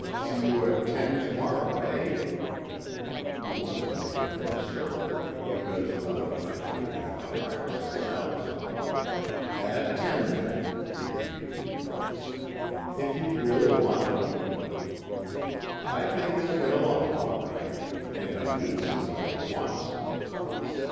"See you at ten tomorrow, eh?" He wanted to make the thing certain because otherwise he would have to hire someone else. "At ten then," he repeated. "If you really want me." "I think you'll get along all right. And I need somebody at once."